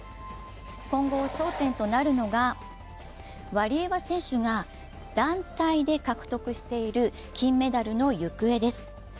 今後、焦点となるのがワリエワ選手が団体で獲得している金メダルの行方です。